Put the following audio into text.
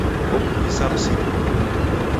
Okuvisa msidunyi